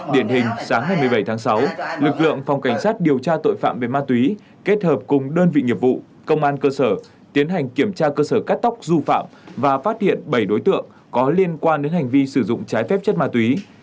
điển hình sáng ngày một mươi bảy tháng sáu lực lượng phòng cảnh sát điều tra tội phạm về ma túy kết hợp cùng đơn vị nghiệp vụ công an cơ sở tiến hành kiểm tra cơ sở cắt tóc du phạm và phát hiện bảy đối tượng có liên quan đến hành vi sử dụng trái phép chất ma túy